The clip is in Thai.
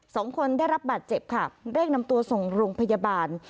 สองคนได้รับบาดเจ็บค่ะเร่งนำตัวส่งโรงพยาบาล